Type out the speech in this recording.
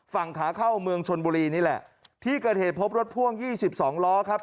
ฝั่งขาเข้าเมืองชนบุรีนี่แหละที่เกิดเหตุพบรถพ่วง๒๒ล้อครับ